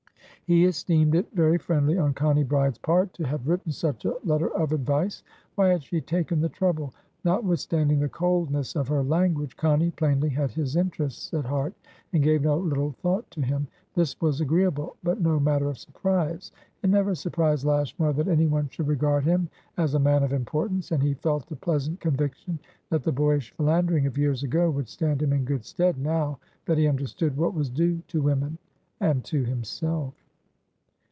He esteemed it very friendly on Connie Bride's part to have written such a letter of advice. Why had she taken the trouble? Notwithstanding the coldness of her language, Connie plainly had his interests at heart, and gave no little thought to him. This was agreeable, but no matter of surprise; it never surprised Lashmar that anyone should regard him as a man of importance; and he felt a pleasant conviction that the boyish philandering of years ago would stand him in good stead now that he understood what was due to womenand to himself.